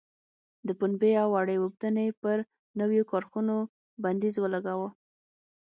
د پنبې او وړۍ اوبدنې پر نویو کارخونو بندیز ولګاوه.